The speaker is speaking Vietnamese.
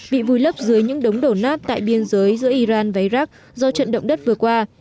bị vùi lấp dưới những đống đổ nát tại biên giới giữa iran và iraq do trận động đất vừa qua